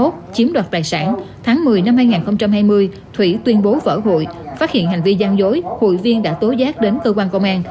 tháng một mươi năm hai nghìn hai mươi thủy tuyên bố vỡ hội phát hiện hành vi gian dối hội viên đã tố giác đến cơ quan công an